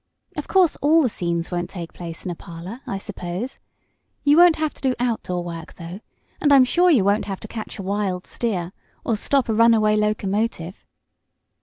Of course all the scenes won't take place in a parlor, I suppose. You won't have to do outdoor work, though, and I'm sure you won't have to catch a wild steer, or stop a runaway locomotive."